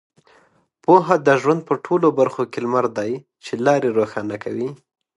پوهه د ژوند په ټولو برخو کې لمر دی چې لارې روښانه کوي.